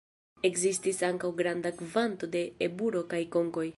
Ekzistis ankaŭ granda kvanto de eburo kaj konkoj.